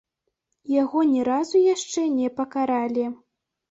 Яго ні разу яшчэ не пакаралі.